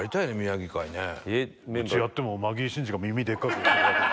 「うちやってもマギー審司が耳でっかく」「ハハハハ！」